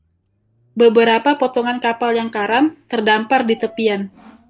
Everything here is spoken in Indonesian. Beberapa potongan kapal yang karam terdampar di tepian.